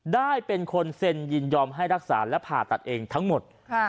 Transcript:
ได้เป็นคนเซ็นยินยอมให้รักษาและผ่าตัดเองทั้งหมด